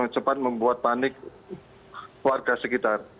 cepat membuat panik warga sekitar